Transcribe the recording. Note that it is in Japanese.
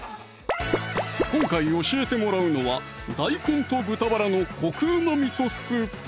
今回教えてもらうのは「大根と豚バラのこくうまみそスープ」